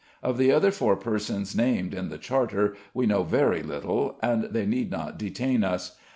Of the other four persons named in the charter we know very little, and they need not detain us.